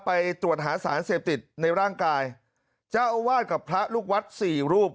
ไปตรวจหาสารเสพติดในร่างกายเจ้าอาวาสกับพระลูกวัดสี่รูป